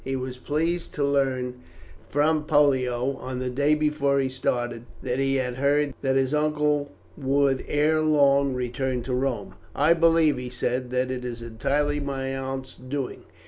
He was pleased to learn from Pollio, on the day before he started, that he had heard that his uncle would ere long return to Rome. "I believe," he said, "that it is entirely my aunt's doing.